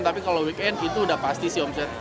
tapi kalau weekend itu udah pasti sih omset